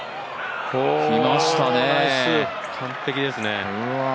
完璧ですね。